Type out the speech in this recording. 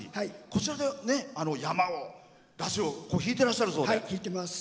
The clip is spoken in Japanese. こちらで山を山車を引いてらっしゃるそうです。